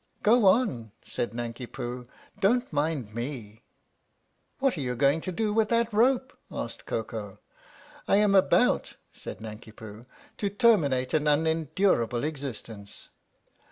" Go on," said Nanki Poo. " Don't mind me." "What are you going to do with that rope?" asked Koko. " I am about," said Nanki Poo, " to terminate an unendurable existence."